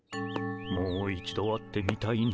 もう一度会ってみたいの。